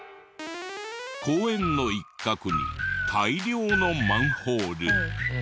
公園の一角に大量のマンホール。